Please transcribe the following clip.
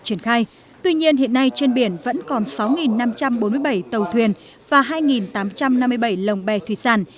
triển khai tuy nhiên hiện nay trên biển vẫn còn sáu năm trăm bốn mươi bảy tàu thuyền và hai tám trăm năm mươi bảy lồng bè thủy sản